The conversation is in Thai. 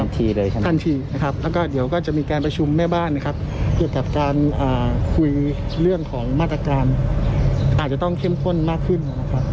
ทันทีนะครับแล้วก็เดี๋ยวก็จะมีการประชุมแม่บ้านนะครับเกี่ยวกับการคุยเรื่องของมาตรการอาจจะต้องเข้มข้นมากขึ้นนะครับ